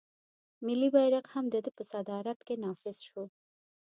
ملي بیرغ هم د ده په صدارت کې نافذ شو.